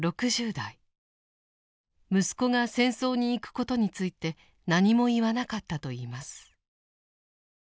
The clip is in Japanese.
息子が戦争に行くことについて何も言わなかったといいます。